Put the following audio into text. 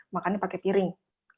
makannya pakai piring